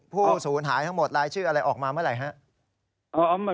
ผู้สูญหายทั้งหมดรายชื่ออะไรออกมาเมื่อไหร่ครับ